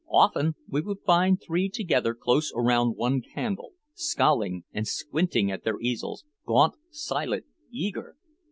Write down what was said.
Often we would find three together close around one candle, scowling and squinting at their easels, gaunt, silent, eager.